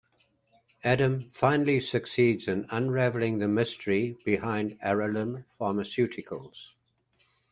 Adam finally succeeds in unraveling the mystery behind Arolem pharmaceuticals.